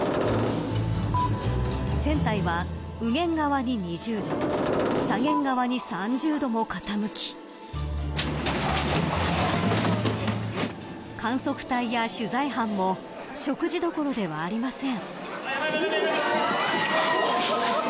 船体は、右舷側に２０度左舷側に３０度も傾き観測隊や取材班も食事どころではありません。